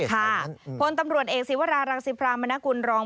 ค่ะพลตำรวจเอกศิวรารังสิพรามนกุลรอง